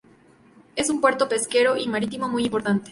Es un puerto pesquero y marítimo muy importante.